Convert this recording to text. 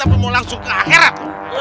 tapi mau langsung ke akhirat